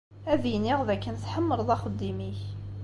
Ad iniɣ d akken tḥemmleḍ axeddim-ik.